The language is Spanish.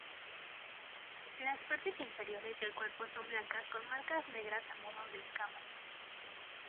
Las partes inferiores del cuerpo son blancas con marcas negras a modo de escamas.